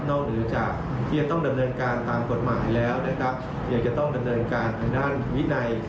เหนือจากที่จะต้องดำเนินการตามกฎหมายแล้วนะครับยังจะต้องดำเนินการทางด้านวินัย